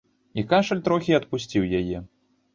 І кашаль троху адпусціў яе.